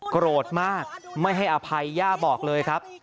โกรธมากไม่ให้อภัยย่าบอกเลยครับ